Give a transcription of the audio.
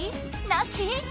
なし？